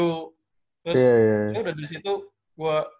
terus ini udah dari situ gue